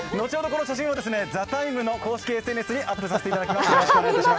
この写真を「ＴＨＥＴＩＭＥ，」の公式ＳＮＳにアップさせていただきます。